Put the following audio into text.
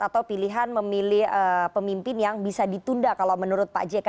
atau pilihan memilih pemimpin yang bisa ditunda kalau menurut pak jk